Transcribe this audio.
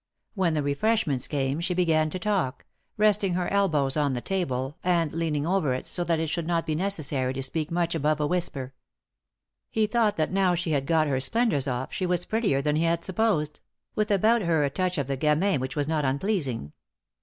When the refreshments came she began to talk, resting her elbows on the table, and leaning over it so that it should not be necessary to speak much above a whisper. He thought that now she had got her splendours off she was prettier than he had supposed ; with about her a 235 3i 9 iii^d by Google THE INTERRUPTED KISS touch of the gamin which was not unpleasing.